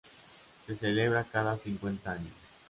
Se celebra cada cincuenta años.